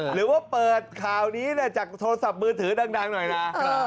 หรือว่าเปิดข่าวนี้จากโทรศัพท์มือถือดังหน่อยนะ